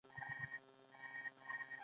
صادرات زیات کړئ